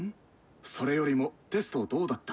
それよりもテストどうだった？